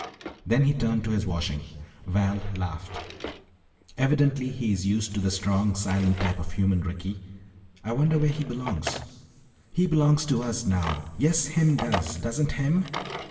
Then he returned to his washing. Val laughed. "Evidently he is used to the strong, silent type of human, Ricky. I wonder where he belongs." "He belongs to us now. Yes him does, doesn't him?"